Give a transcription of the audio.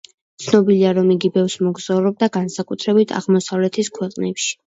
ცნობილია რომ იგი ბევრს მოგზაურობდა, განსაკუთრებით, აღმოსავლეთის ქვეყნებში.